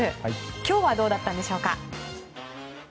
今日はどうだったんでしょうか。